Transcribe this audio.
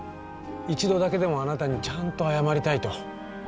一度だけでもあなたにちゃんと謝りたいと。